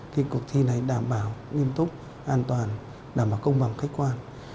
khi cuộc thi này đảm bảo nghiêm túc an toàn đảm bảo công bằng khách quan